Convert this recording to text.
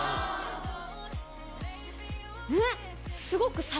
すごく。